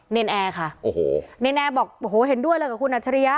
เนนแอร์ค่ะเนนแอร์บอกเห็นด้วยเลยกับคุณอัชริยะ